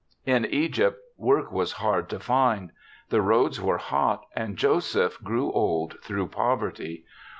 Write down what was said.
" In Egypt work was hard to find ; the roads were hot and Joseph grew old through poverty.